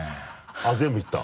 あっ全部いった？